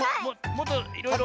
もっといろいろ。